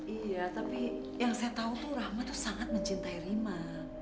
iya tapi yang saya tahu tuh rahmat tuh sangat mencintai rima